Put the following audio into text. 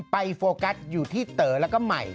โฟกัสอยู่ที่เต๋อแล้วก็ใหม่